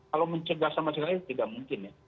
kalau mencegah sama sekali tidak mungkin ya